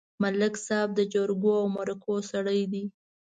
ملک صاحب د جرګو او مرکو سړی دی.